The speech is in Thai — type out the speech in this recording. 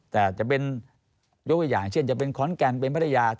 แต่จะเป็นยกตัวอย่างเช่นจะเป็นขอนแก่นเป็นพัทยา